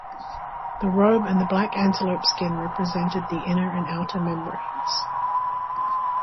The robe and the black antelope skin represented the inner and outer membranes.